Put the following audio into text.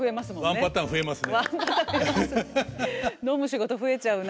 ワンパターン増えます。